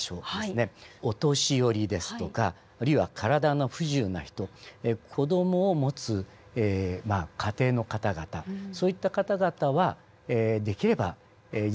お年寄りですとかあるいは体の不自由な人子どもを持つ家庭の方々そういった方々はできれば事前避難が望ましいと思います。